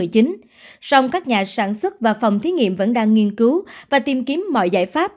trong các nhà sản xuất và phòng thí nghiệm vẫn đang nghiên cứu và tìm kiếm mọi giải pháp